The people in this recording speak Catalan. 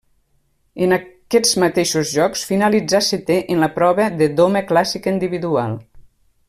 En aquests mateixos Jocs finalitzà setè en la prova de doma clàssica individual.